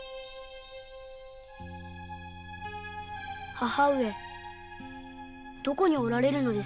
母上どこにおられるのですか？